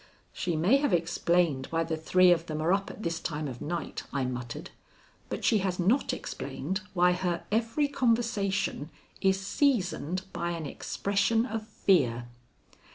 "She may have explained why the three of them are up at this time of night," I muttered, "but she has not explained why her every conversation is seasoned by an expression of fear."